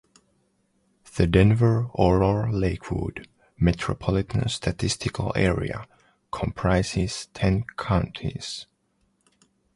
The Denver-Aurora-Lakewood Metropolitan Statistical Area comprises ten counties.